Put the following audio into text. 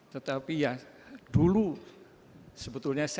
tetapi ya dulu sebetulnya saya